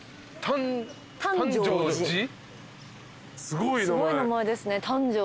すごい名前ですね誕生寺。